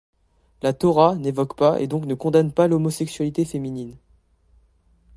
La Torah n'évoque pas et donc ne condamne pas l'homosexualité féminine.